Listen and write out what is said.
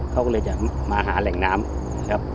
เขาก็เลยจะมาหาแหล่งน้ำครับ